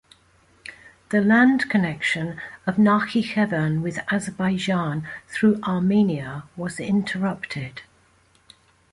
The land connection of Nakhichevan with Azerbaijan through Armenia was interrupted.